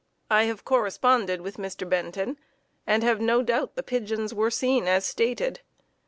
I have corresponded with Mr. Benton and have no doubt the pigeons were seen as stated.